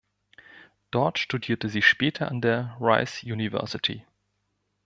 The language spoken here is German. Dort studierte sie später an der Rice University.